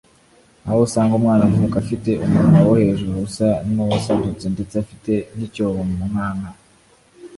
aho usanga umwana avuka afite umunwa wo hejuru usa n’uwasadutse ndetse afite n’icyobo mu nkanka